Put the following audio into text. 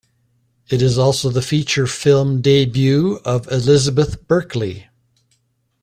It is also the feature film debut of Elizabeth Berkley.